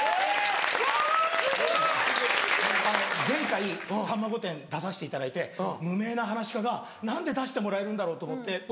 前回『さんま御殿‼』出させていただいて無名なはなし家が何で出してもらえるんだろうと思って。